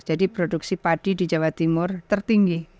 jadi produksi padi di jawa timur tertinggi